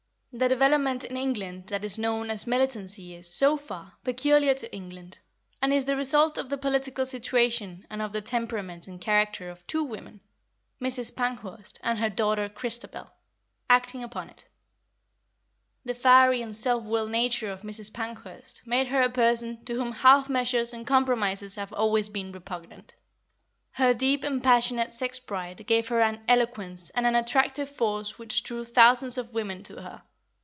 The development in England that is known as militancy is, so far, peculiar to England, and is the result of the political situation and of the temperament and character of two women, Mrs. Pankhurst and her daughter Christabel, acting upon it. The fiery and self willed nature of Mrs. Pankhurst made her a person to whom half measures and compromises have always been repugnant. Her deep and passionate sex pride gave her an eloquence and an attractive force which drew thousands of women to her.